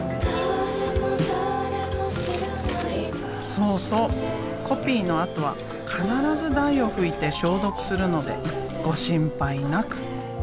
そうそうコピーのあとは必ず台を拭いて消毒するのでご心配なく。